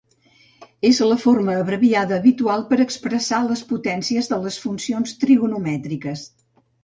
És la forma abreviada habitual per a expressar les potències de les funcions trigonomètriques.